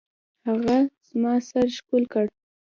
هغه زما سر ښكل كړ.